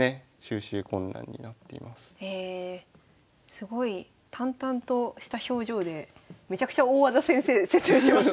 すごい淡々とした表情でめちゃくちゃ大技先生説明しますね。